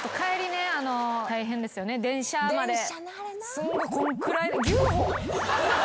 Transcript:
すごいこんくらい。